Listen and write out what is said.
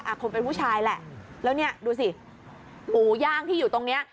คงเป็นผู้ชายแหละแล้วเนี่ยดูสิหมูย่างที่อยู่ตรงเนี้ย